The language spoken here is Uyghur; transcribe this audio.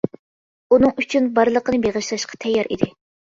ئۇنىڭ ئۈچۈن بارلىقىنى بېغىشلاشقا تەييار ئىدى.